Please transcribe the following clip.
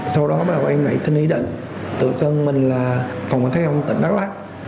sau đó em lại thân ý đến tự xưng mình là phòng kẻ sát hình sự công an tỉnh đắk lắk